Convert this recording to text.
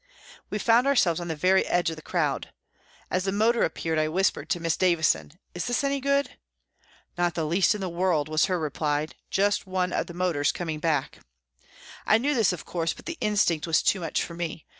We found ourselves on the very edge of the crowd. As the motor appeared, I whispered to Miss Davison : "Is this any good ?"" Not the least in the world," was her reply, " just one of the motors coming back." I knew this, of course, but the instinct was too much for me.